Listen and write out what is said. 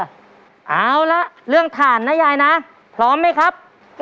เอาละเรื่องฐานนะยายนะพร้อมไหมครับ